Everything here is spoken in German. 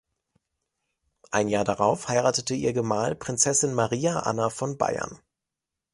Ein Jahr darauf heiratete ihr Gemahl Prinzessin Maria Anna von Bayern.